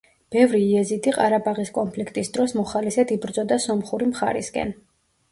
ბევრი იეზიდი ყარაბაღის კონფლიქტის დროს მოხალისედ იბრძოდა სომხური მხარისკენ.